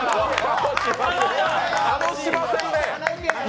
楽しませるね！